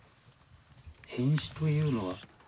「変死」というのは。